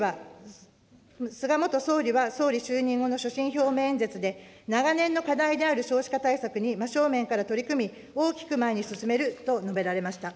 菅元総理は総理就任後の所信表明演説で、長年の課題である少子化対策に真正面から取り組み、大きく前に進めると述べられました。